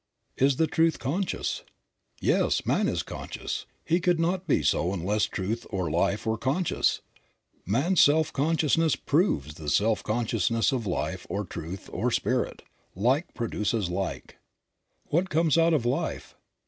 Is the Truth conscious? Yes, man is conscious. He could not be so unless Truth or Life were conscious. Man's self consciousness proves the self consciousness of Life or Truth or Spirit. Like produces like. What comes out of life?